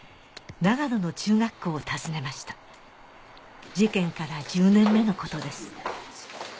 長野の中学校を訪ねました事件から１０年目のことです